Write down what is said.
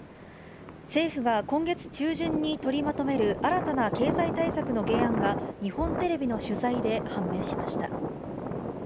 政府が今月中旬に取りまとめる新たな経済対策の原案が日本テレビの取材で判明しました。